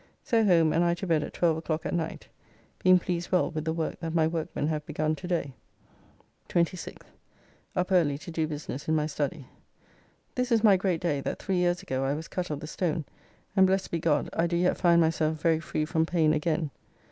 So home and I to bed at 12 o'clock at night, being pleased well with the work that my workmen have begun to day. 26th. Up early to do business in my study. This is my great day that three years ago I was cut of the stone, and, blessed be God, I do yet find myself very free from pain again.